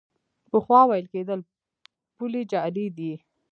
پخوا ویل کېدل پولې جعلي دي.